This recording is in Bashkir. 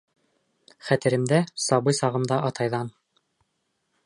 Хәтеремдә, сабый сағымда атайҙан: